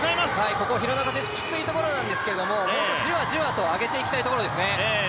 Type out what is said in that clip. ここ廣中選手きついところなんですけどもじわじわと上げていきたいところですね。